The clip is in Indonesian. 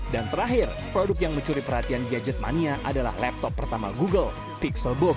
dan terakhir produk yang mencuri perhatian gadget mania adalah laptop pertama google pixelbook